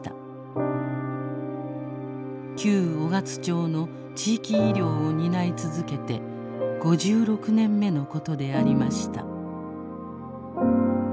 旧雄勝町の地域医療を担い続けて五十六年目のことでありました」。